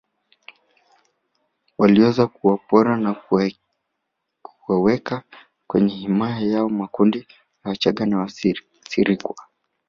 Waliweza kuwapora na kuwaweka kwenye himaya yao makundi ya wachaga na Wasirikwa